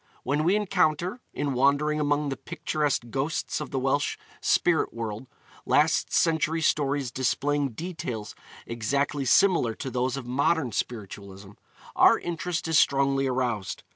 When we encounter, in wandering among the picturesque ghosts of the Welsh spirit world, last century stories displaying details exactly similar to those of modern spiritualism, our interest is strongly aroused.